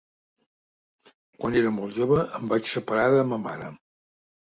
Quan era molt jove, em vaig separar de ma mare.